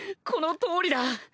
このとおりだ！